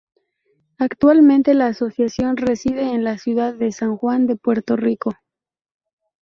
Actualmente la Asociación reside en la ciudad de San Juan de Puerto Rico.